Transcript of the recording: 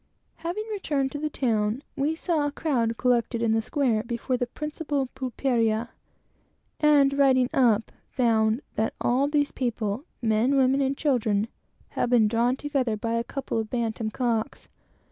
Having returned to the town, we saw a great crowd collected in the square before the principal pulperia, and riding up, found that all these people men, women, and children had been drawn together by a couple of bantam cocks.